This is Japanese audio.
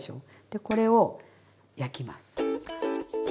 でこれを焼きます。